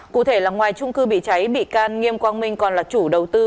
cụ thể là ngoài trung cư bị cháy bị can nghiêm quang minh còn là chủ đầu tư